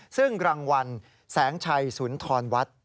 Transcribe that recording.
ซึ่งรางวัลแสงชัยศูนย์ทอนวัด